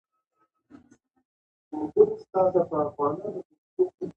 د واورې نوم به یاد سي.